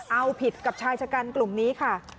เอาผิดกับชายชะกันกลุ่มนี้ค่ะ